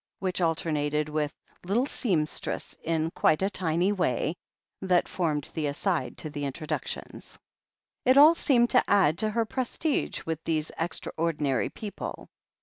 '* which alter nated with "little seamstress, in quite a tiny way," that formed the aside to the introductions. It all seemed to add to her prestige with these extraordinary people.